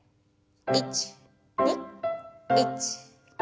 １２１２。